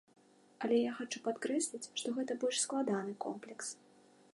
Але я хачу падкрэсліць, што гэта больш складаны комплекс.